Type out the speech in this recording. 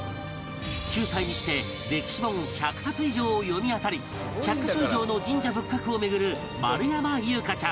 ９歳にして歴史本１００冊以上を読みあさり１００カ所以上の神社仏閣を巡る丸山裕加ちゃん